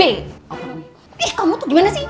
eh kamu tuh gimana sih